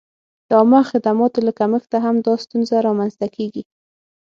د عامه خدماتو له کمښته هم دا ستونزه را منځته کېږي.